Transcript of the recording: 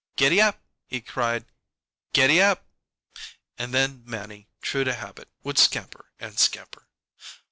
"Giddy app!" he cried. "Giddy app!" And then Mannie, true to habit, would scamper and scamper.